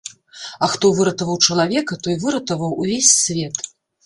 А хто выратаваў чалавека, той выратаваў увесь свет.